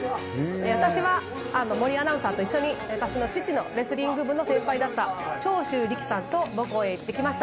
私は森アナウンサーと一緒に、私の父のレスリング部の先輩だった長州力さんと母校へ行ってきました。